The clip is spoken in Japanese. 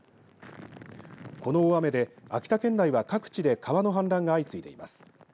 この大雨で秋田県内は各地で川の氾濫が相次いでいます。